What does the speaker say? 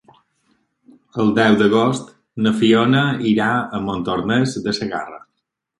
El deu d'agost na Fiona irà a Montornès de Segarra.